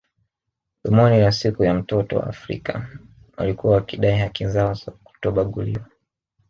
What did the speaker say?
Dhumuni la siku ya mtoto wa Afrika walikuwa wakidai haki zao za kutobaguliwa